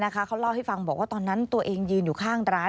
เขาเล่าให้ฟังบอกว่าตอนนั้นตัวเองยืนอยู่ข้างร้าน